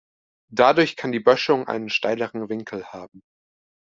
Dadurch kann die Böschung einen steileren Winkel haben.